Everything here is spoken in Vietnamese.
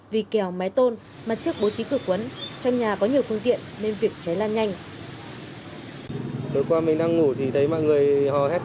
vì kèo máy tôn mặt trước bố trí cửa quấn trong nhà có nhiều phương tiện nên việc cháy lan nhanh